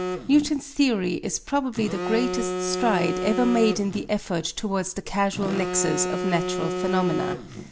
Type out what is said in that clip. Newton's theory is probably the greatest stride ever made in the effort towards the causal nexus of natural phenomena.